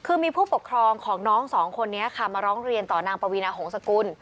คือมีผู้ปกครองของน้องสองคนนี้ค่ะมาร้องเรียนต่อนางปวีนาหงษกุล